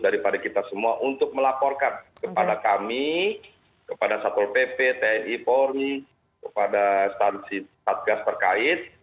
daripada kita semua untuk melaporkan kepada kami kepada satpol pp tni polri kepada stansi satgas terkait